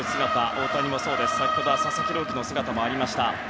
大谷もそうですが先ほどは佐々木朗希の姿もありました。